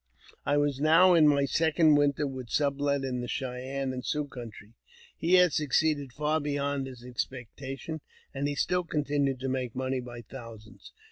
I was now in my second winter with Sublet in the Cheyenne and Sioux country. He had succeeded far beyond his ex pectation, and he still continued to make money by thousands.